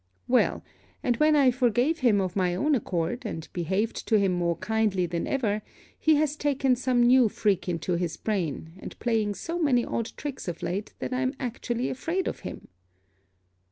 Well, and when I forgave him of my own accord, and behaved to him more kindly than ever, he has taken some new freak into his brain, and playing so many odd tricks of late that I am actually afraid of him.'